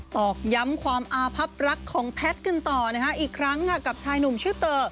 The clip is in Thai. ตอกย้ำความอาพับรักของแพทย์กันต่อนะคะกับชายหนุ่มชื่อเตอร์